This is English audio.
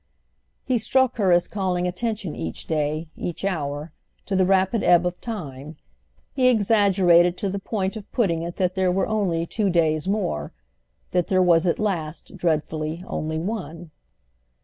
He struck her as calling attention each day, each hour, to the rapid ebb of time; he exaggerated to the point of putting it that there were only two days more, that there was at last, dreadfully, only one.